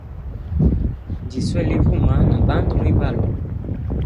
Njiswele ivuma na bandu mwibalo.